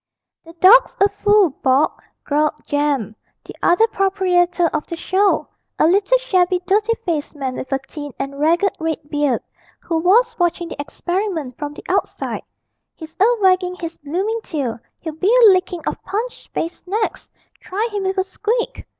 'The dawg's a fool, Bob,' growled Jem, the other proprietor of the show, a little shabby dirty faced man with a thin and ragged red beard, who was watching the experiment from the outside; 'he's a waggin' his bloomin' tail he'll be a lickin of Punch's face next! Try him with a squeak.'